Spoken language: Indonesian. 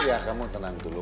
ya kamu tenang dulu